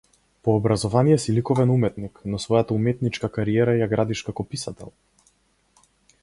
По образование си ликовен уметник, но својата уметничка кариера ја градиш како писател.